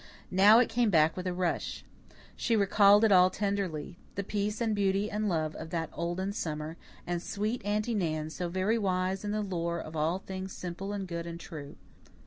Now it came back with a rush. She recalled it all tenderly the peace and beauty and love of that olden summer, and sweet Aunty Nan, so very wise in the lore of all things simple and good and true.